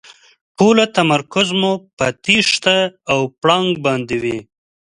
ټول تمرکز مو په تېښته او پړانګ باندې وي.